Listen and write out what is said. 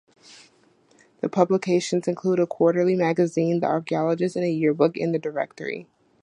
Its publications include a quarterly magazine "The Archaeologist", and a "Yearbook and Directory".